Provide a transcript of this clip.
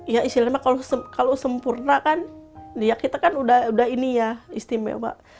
ya istilahnya kalau sempurna kan ya kita kan udah ini ya istimewa